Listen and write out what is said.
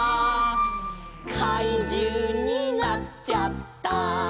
「かいじゅうになっちゃった」